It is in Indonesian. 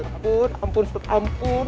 ampun ampun ampun